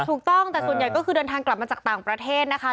ถูกต้องแต่ส่วนใหญ่ก็คือเดินทางกลับมาจากต่างประเทศนะคะ